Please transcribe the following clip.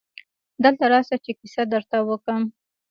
دلته راسه چي کیسه درته وکم.